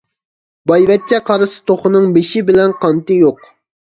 بايۋەچچە قارىسا توخۇنىڭ بېشى بىلەن قانىتى يوق.